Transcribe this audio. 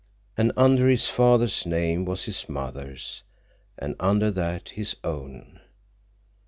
And under his father's name was his mother's, and under that, his own.